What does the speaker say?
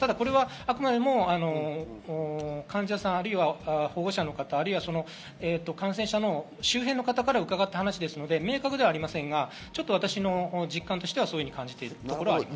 あくまでも患者さん、保護者の方、感染者の周辺の方から伺った話ですので明確ではありませんが私の実感としては感じているところがあります。